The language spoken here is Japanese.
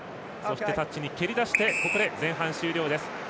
タッチに蹴りだしてここで前半終了です。